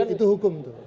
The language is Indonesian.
itu hukum tuh